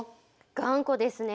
頑固ですね。